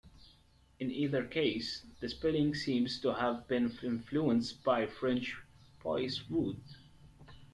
In either case, the spelling seems to have been influenced by French "bois" 'wood'.